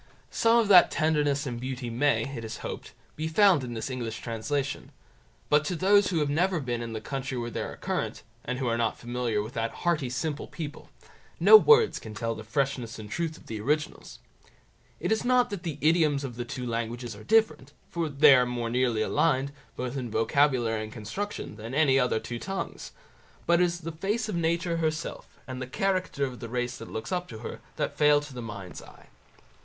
Some of that tenderness and beauty may, it is hoped, be found in this English translation; but to those who have never been in the country where they are current, and who are not familiar with that hearty simple people, no words can tell the freshness and truth of the originals. It is not that the idioms of the two languages are different, for they are more nearly allied, both in vocabulary and construction, than any other two tongues, but it is the face of nature herself, and the character of the race that looks up to her, that fail to the mind's eye.